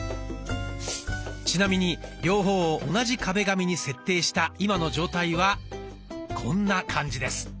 ちなみに両方を同じ壁紙に設定した今の状態はこんな感じです。